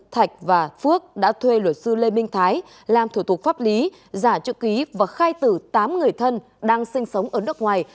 thạch và phước đã thuê luật sư lê minh thái làm thủ tục pháp lý giả chữ ký và khai tử tám người thân đang sinh sống ở nước ngoài